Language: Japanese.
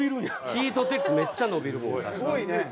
ヒートテックめっちゃ伸びるもん確かに。